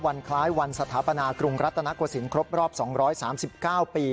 วันคล้ายวันสถาปนากรุงรัฐนาควสินครบรอบ๒๓๙ปี